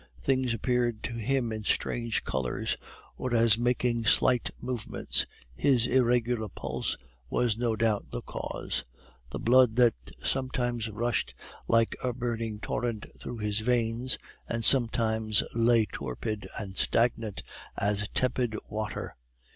Things appeared to him in strange colors, or as making slight movements; his irregular pulse was no doubt the cause; the blood that sometimes rushed like a burning torrent through his veins, and sometimes lay torpid and stagnant as tepid water.